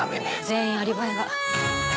「全員アリバイが」